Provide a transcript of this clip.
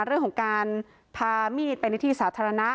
เรื่องของการพามีดไปในที่สาธารณะ